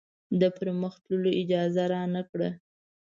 د پر مخ تللو اجازه رانه کړه.